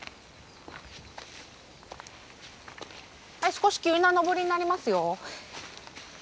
少し急な登りになりますよ。